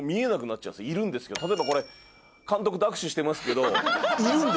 いるんですけど例えばこれ監督と握手してますけど。